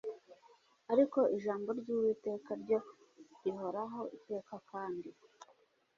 ariko ijambo ry uwiteka ryo rihoraho iteka kandi